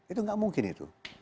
itu gak mungkin itu